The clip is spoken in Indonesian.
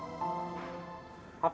apa yang terjadi denganmu bu